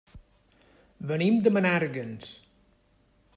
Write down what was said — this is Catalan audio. Venim de Menàrguens.